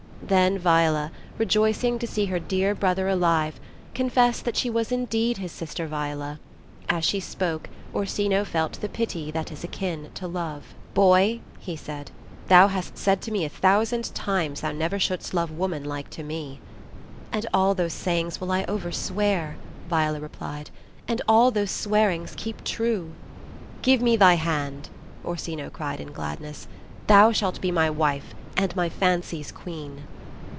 " Then Viola, rejoicing to see her dear brother alive, confessed that AS YOU LIKE IT. 5tf she was indeed his sister Viola. As she spoke, Orsino felt the pity that is akin to love. "Boy/' he said, thou hast said to me a thousand times thou never shouldst love woman like to me. And all those sayings will I over swear," Viola replied, "and all those swearings keep true/' ''Give me thy hand," Orsino cried in gladness. "Thou shalt be my wife, and my fancy's queen."